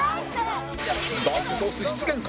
ダークホース出現か？